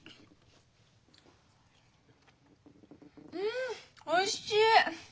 うんおいしい！